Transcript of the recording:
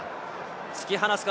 突き放すか？